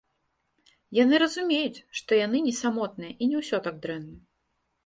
Яны разумеюць, што яны не самотныя і не ўсё так дрэнна.